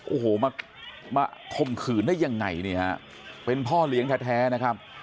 โอ้โหมาข่มขืนได้ยังไงนี่ฮะเป็นพ่อเลี้ยงแท้นะครับ